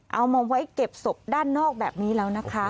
เอามาไว้เก็บศพด้านนอกแบบนี้แล้วนะคะ